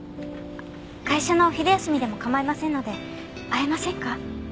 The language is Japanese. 会社のお昼休みでも構いませんので会えませんか？